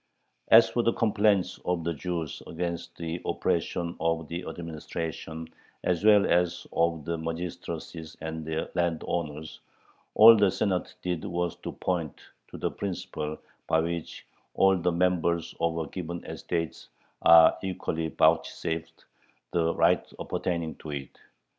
As for the complaints of the Jews against the oppression of the administration as well as of the magistracies and the landowners, all the Senate did was to point to the principle by which all the members of a given estate are equally vouchsafed the rights appertaining to it.